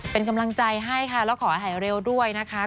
เป็นกำลังใจให้ค่ะแล้วขอให้หายเร็วด้วยนะคะ